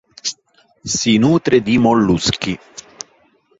Si nutre di molluschi.